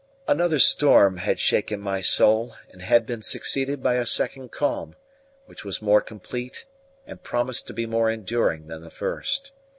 Another storm had shaken my soul, and had been succeeded by a second calm, which was more complete and promised to be more enduring than the first.